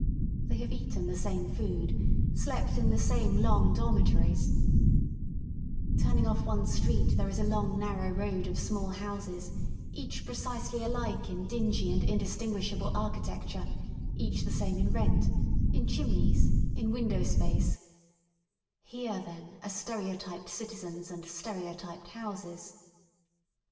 They have eaten the same food, slept in the same long dormitories* —Turning off one's street there is a long narrow road of small houses, each precisely alike in dingy and indistinguishable architecture, each the same in rent, in chimneys, in windowspace,— Here, then, are stereotyped citizens and stereotyped houses.